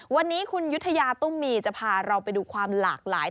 วันนี้คุณยุธยาตุ้มมีจะพาเราไปดูความหลากหลาย